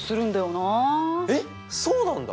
えっそうなんだ！